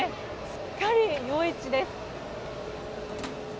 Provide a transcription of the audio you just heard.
すっかり夜市です。